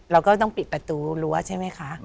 เราก็ต้องปิดประตูรั้วใช่ไหมคะ